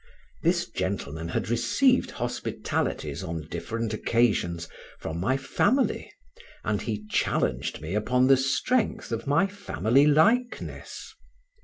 This gentleman had received hospitalities on different occasions from my family, and he challenged me upon the strength of my family likeness.